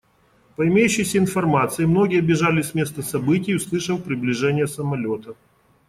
По имеющейся информации, многие бежали с места событий, услышав приближение самолета.